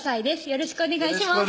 よろしくお願いします